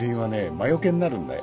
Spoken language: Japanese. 魔除けになるんだよ。